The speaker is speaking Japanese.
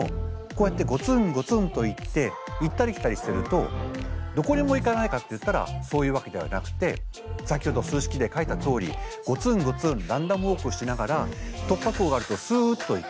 こうやってゴツンゴツンといって行ったり来たりしてるとどこにも行かないかっていったらそういうわけではなくて先ほど数式で書いたとおりゴツンゴツンランダムウォークしながら突破口があるとすっと行く。